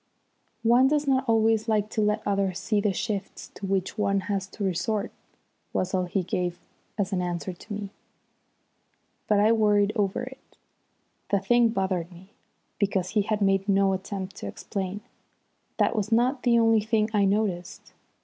"One does not always like to let others see the shifts to which one has to resort," was all the answer he gave me. But I worried over it. The thing bothered me, because he had made no attempt to explain. That was not the only thing I noticed.